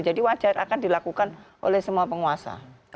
jadi wajar akan dilakukan oleh semua penguasa